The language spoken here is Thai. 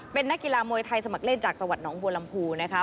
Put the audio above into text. เป็นนักกีฬามวยไทยสมัครเล่นจากจังหวัดหนองบัวลำพูนะคะ